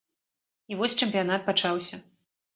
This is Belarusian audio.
І вось чэмпіянат пачаўся.